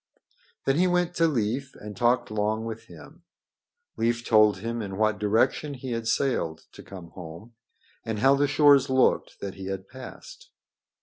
Then he went to Leif and talked long with him. Leif told him in what direction he had sailed to come home, and how the shores looked that he had passed.